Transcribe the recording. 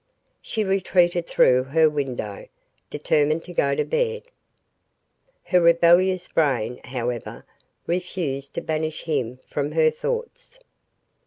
She retreated through her window, determined to go to bed. Her rebellious brain, however, refused to banish him from her thoughts.